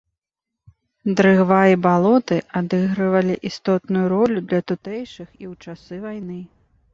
Дрыгва і балоты адыгрывалі істотную ролю для тутэйшых і ў часы вайны.